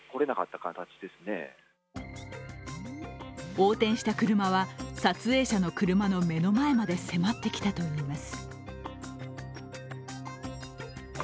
横転した車は撮影者の車の目の前まで迫ってきたといいます。